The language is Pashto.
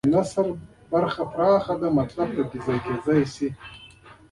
د نثر برخه پراخه ده او مطلب پکې ځای پر ځای کېدای شي.